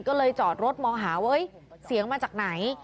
ก็เลยจอดรถมองหาว่าเสียงมาจากไหน